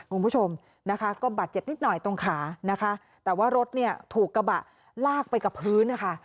คุณผู้ชมนะคะก็บาดเจ็บนิดหน่อยตรงขานะคะแต่ว่ารถเนี่ยถูกกระบะลากไปกับพื้นนะคะ